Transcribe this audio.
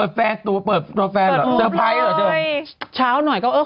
สวัสดีค่ะข้าวใส่ไข่สดใหม่เยอะสวัสดีค่ะ